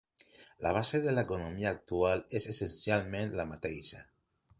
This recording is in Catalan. La base de l'economia actual és essencialment la mateixa.